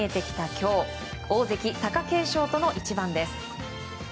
今日大関・貴景勝との一番です。